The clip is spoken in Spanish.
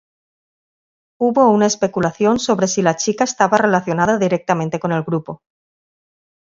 Hubo una especulación sobre si la chica estaba relacionada directamente con el grupo.